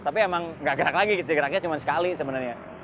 tapi emang gak gerak lagi geraknya cuma sekali sebenarnya